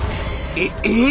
えっええ？